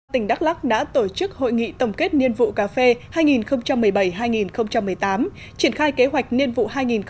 tỉnh đắk lắc đã tổ chức hội nghị tổng kết niên vụ cà phê hai nghìn một mươi bảy hai nghìn một mươi tám triển khai kế hoạch niên vụ hai nghìn một mươi tám hai nghìn một mươi chín